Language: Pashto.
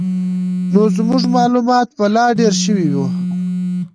نو زموږ معلومات به لا ډېر شوي وو.